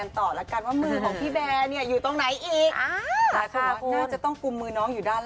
ตายคุณ